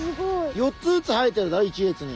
４つずつ生えてるだろ一列に。